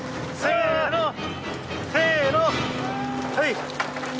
はい。